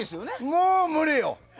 もう無理よ。